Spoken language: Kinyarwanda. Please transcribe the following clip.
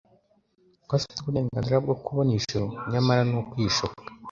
ko afite uburenganzira bwo kubona ijuru, nyamara ni ukwishuka.